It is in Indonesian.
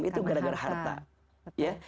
itu gara gara harta